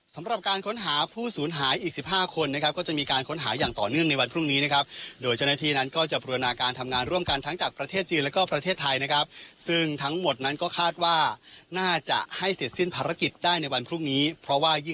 สำหรับการค้นหาผู้ศูนย์หายอีก๑๕คนจะต้องมีการค้นหาอย่างต่อเนื่องในวันพรุ่งนี้